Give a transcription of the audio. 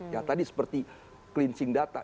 ya tadi seperti cleansing data